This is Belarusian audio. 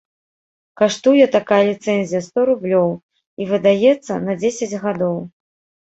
Каштуе такая ліцэнзія сто рублёў і выдаецца на дзесяць гадоў.